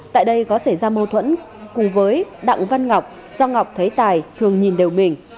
tại đây có xảy ra mâu thuẫn cùng với đặng văn ngọc do ngọc thấy tài thường nhìn đều mình